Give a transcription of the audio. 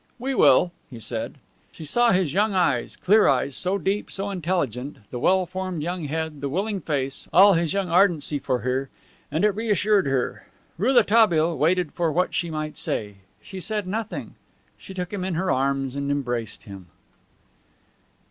"We will," he said. She saw his young, clear eyes, so deep, so intelligent, the well formed young head, the willing face, all his young ardency for her, and it reassured her. Rouletabille waited for what she might say. She said nothing. She took him in her arms and embraced him.